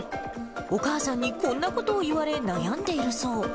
お母さんにこんなことを言われ、悩んでいるそう。